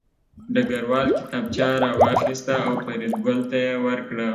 ډګروال کتابچه راواخیسته او فریدګل ته یې ورکړه